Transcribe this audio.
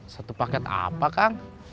satu paket apa kang